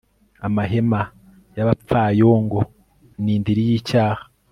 amahema y'abapfayongo ni indiri y'icyaha